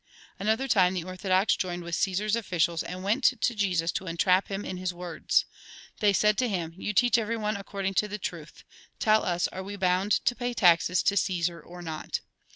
Another time, the orthodox joined with Csesar's officials, and went to Jesus, to entrap him in his words. They said to him :" You teach everyone according to the truth. Tell us, are we bound to pay taxes to Csesar or not